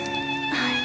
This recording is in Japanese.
はい。